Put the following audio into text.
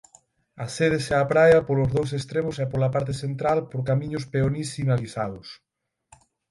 Accedese á praia polos dous extremos e pola parte central por camiños peonís sinalizados.